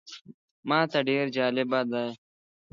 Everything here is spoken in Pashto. ماته ډېر جالبه دی.